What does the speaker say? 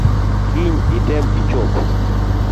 Kiny item ichop.